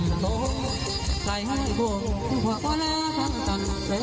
ไม่คุดไหมก็ต่อโลกวาดออกออกที่กะกว้ายอมไทย